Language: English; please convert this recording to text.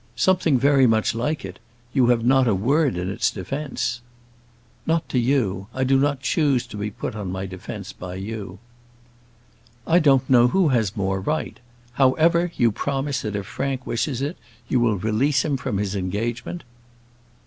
"Something very much like it. You have not a word in its defence." "Not to you: I do not choose to be put on my defence by you." "I don't know who has more right; however, you promise that if Frank wishes it, you will release him from his engagement."